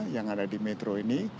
yang ada di metro ini